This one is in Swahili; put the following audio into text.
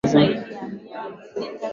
mchango wake katika uchafuzi wa hewa ni